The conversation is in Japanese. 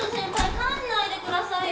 帰んないでくださいよ